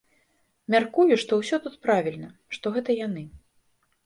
Мяркую, што ўсё тут правільна, што гэта яны.